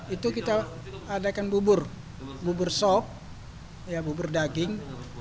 itu kita adakan bubur bubur sok ya bubur daging